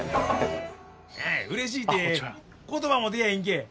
うれしいて言葉も出えへんけ